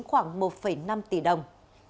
khoảng một năm tỷ đồng